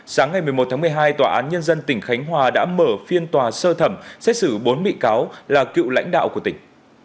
sáng ngày một mươi một tháng một mươi hai tòa án nhân dân tỉnh khánh hòa đã mở phiên tòa sơ thẩm xét xử bốn bị cáo là cựu lãnh đạo của tỉnh